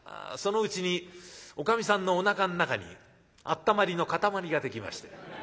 そのうちにおかみさんのおなかの中にあったまりのかたまりができまして。